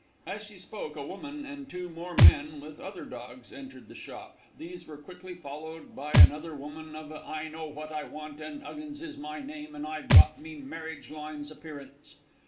As she spoke a woman and two more men with other dogs entered the shop. These were quickly followed by another woman of a I know what I want and 'Uggins is my name an' I've got me marriage lines appearance.